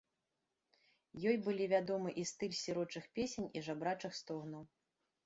Ёй былі вядомы і стыль сірочых песень і жабрачых стогнаў.